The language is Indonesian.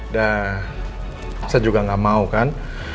dan saya juga gak mau kan